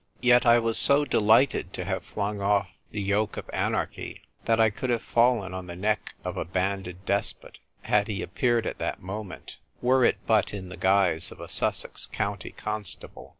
87 Yet I was so delighted to have flung off the yoke of anarchy that I could have fallen on the neck of a Banded Despot, had he appeared at that moment, were it but in the guise of a Sussex County Constable.